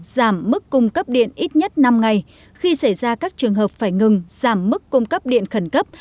giảm mức cung cấp điện ít nhất năm ngày khi xảy ra các trường hợp phải ngừng giảm mức cung cấp điện khẩn cấp